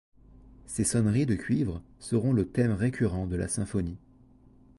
Ces sonneries de cuivres seront le thème récurrent de la symphonie.